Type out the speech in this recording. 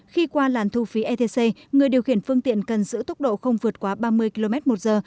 khi qua làn thu phí etc người điều khiển phương tiện cần giữ tốc độ không vượt quá ba mươi km một giờ